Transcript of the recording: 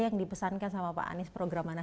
yang dipesankan sama pak anies program mana